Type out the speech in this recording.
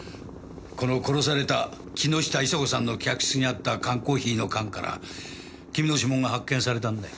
この殺された木下伊沙子さんの客室にあった缶コーヒーの缶から君の指紋が発見されたんだよ。